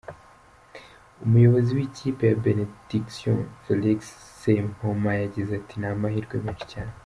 Umuyobozi w’ikipe ya Benediction, Felix Sempoma yagize ati “Ni amahirwe menshi cyane.